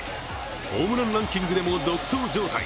ホームランランキングでも独走状態。